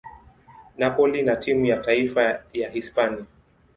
Napoli na timu ya taifa ya Hispania.